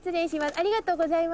ありがとうございます。